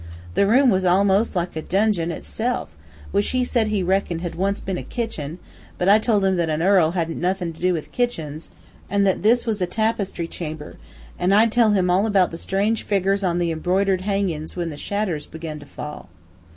The room was almos' like a donjon itself, which he said he reckoned had once been a kitchin, but I told him that a earl hadn't nothin' to do with kitchins, an' that this was a tapestry chamber, an' I'd tell him all about the strange figgers on the embroidered hangin's, when the shadders begun to fall.